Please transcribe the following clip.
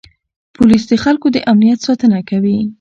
پولیس د خلکو د امنیت ساتنه کوي.